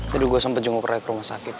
tadi aku sempat jenguk reklama sakit